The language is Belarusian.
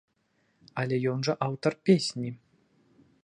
Але ён жа аўтар песні?